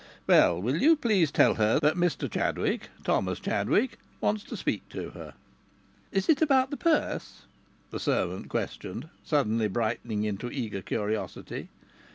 "Well, will you please tell her that Mr Chadwick Thomas Chadwick wants to speak to her?" "Is it about the purse?" the servant questioned, suddenly brightening into eager curiosity.